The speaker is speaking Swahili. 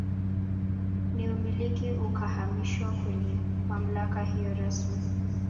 Na umiliki ukahamishiwa kwenye mamlaka hiyo rasmi